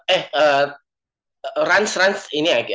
eh rans rans ini aja